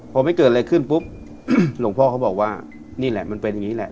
พอไม่เกิดอะไรขึ้นปุ๊บหลวงพ่อเขาบอกว่านี่แหละมันเป็นอย่างนี้แหละ